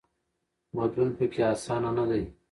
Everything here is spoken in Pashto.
بدلون پکې اسانه نه دی.